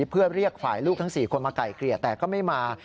เพื่อเรียกฝ่ายลูกทั้ง๔คนมาไก่เกลี่ยแต่ก็ไม่มา